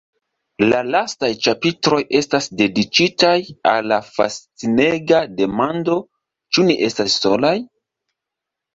La lastaj ĉapitroj estas dediĉitaj al la fascinega demando: “Ĉu ni estas solaj?